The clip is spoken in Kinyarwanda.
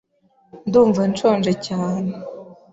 Ndumva nshonje cyane. .